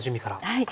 はい。